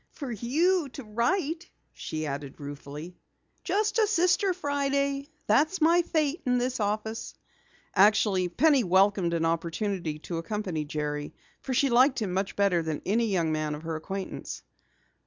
"For you to write," she added ruefully. "Just a Sister Friday that's my fate in this office." Actually Penny welcomed an opportunity to accompany Jerry, for she liked him better than any young man of her acquaintance.